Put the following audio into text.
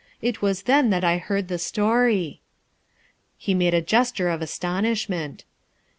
It was then that I heard the story." He made a gesture of astonishment.